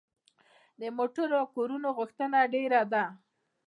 د موټرو او کورونو غوښتنه ډیره ده.